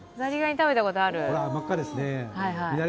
ほら、真っ赤ですね。